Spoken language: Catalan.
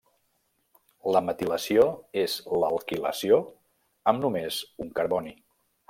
La metilació és l’alquilació amb només un carboni.